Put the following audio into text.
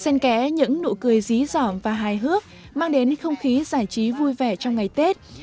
xen kẽ những nụ cười rí giỏm và hài hước mang đến không khí giải trí vui vẻ trong ngày tết